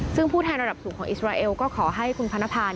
ซึ่งผู้แทนระดับสูงของอิสราเอลก็ขอให้คุณพนภา